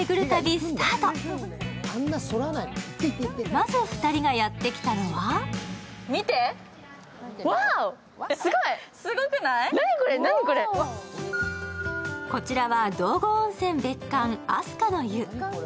まず２人がやってきたのはこちらは道後温泉別館飛鳥乃湯泉。